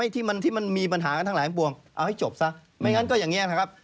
ที่มันมีปัญหากันทั้งหลายปวงเอาให้จบซะไม่งั้นก็อย่างนี้นะครับ